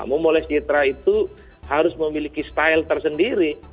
memoles citra itu harus memiliki style tersendiri